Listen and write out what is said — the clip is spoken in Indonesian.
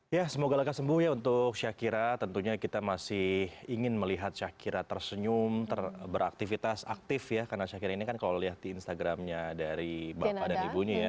ya semoga laka sembuh ya untuk syakira tentunya kita masih ingin melihat syakira tersenyum beraktivitas aktif ya karena syakira ini kan kalau lihat di instagramnya dari bapak dan ibunya ya